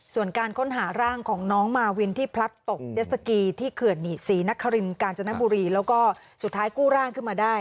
ส่วนการค้นหาร่างของน้องมาวินที่พลัดตกเจสสกีที่เขื่อนศรีนครินกาญจนบุรีแล้วก็สุดท้ายกู้ร่างขึ้นมาได้